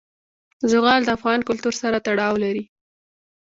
زغال د افغان کلتور سره تړاو لري.